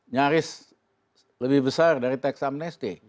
nyaris lebih besar dari teks amnesty